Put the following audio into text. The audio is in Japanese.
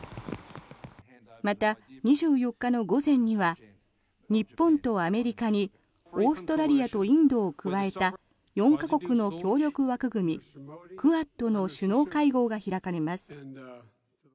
また、２４日の午前には日本とアメリカにオーストラリアとインドを加えた４か国の協力枠組み、クアッドの首脳会合が開かれます。